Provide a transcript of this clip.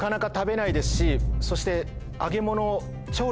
そして。